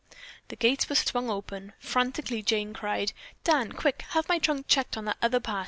The gates were swung open. Frantically, Jane cried: "Dan, quick, have my trunk checked on that other pass.